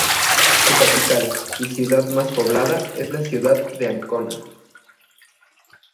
Su capital, y ciudad más poblada, es la ciudad de Ancona.